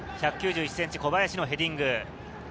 １９１ｃｍ、小林のヘディング。